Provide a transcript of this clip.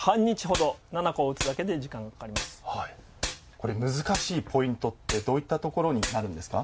これ難しいポイントってどういったところになるんですか？